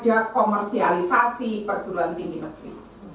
tidak boleh ada komersialisasi perguruan tinggi negeri